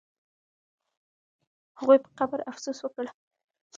هغوی په قبر افسوس وکړ.